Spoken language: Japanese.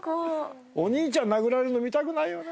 お兄ちゃん殴られるの見たくないよね。